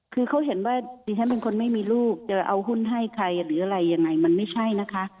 คือเขาเห็นว่าดิฉันเป็นคนไม่มีลูกจะเอาหุ้นให้ใครหรืออะไรยังไงมันไม่ใช่นะคะ